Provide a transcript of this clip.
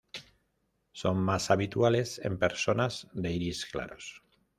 Son más habituales en personas de iris claros.